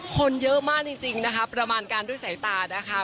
คนเยอะมากจริงนะคะประมาณการด้วยสายตานะคะ